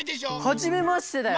はじめましてだよ！